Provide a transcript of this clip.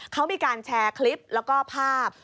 เขามีการแชร์คลิปแล้วก็ภาพ